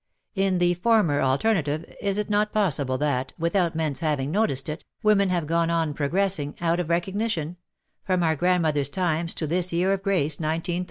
In the former alternative is it not possible that, without men's having noticed it, women have gone on progressing, out of recognition — from our grandmothers' times to this year of grace 191 3?